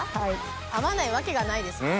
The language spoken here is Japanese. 合わないわけがないです。